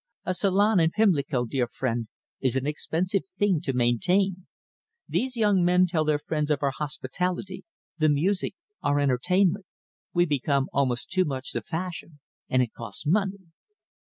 A salon in Pimlico, dear friend, is an expensive thing to maintain. These young men tell their friends of our hospitality, the music, our entertainment. We become almost too much the fashion, and it costs money."